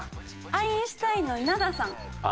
アインシュタインの稲田さん。